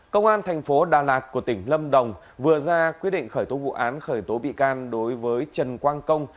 công an thành phố đà lạt của tỉnh lâm đồng vừa ra quyết định khởi tố vụ án khởi tố bị can đối với trần quang công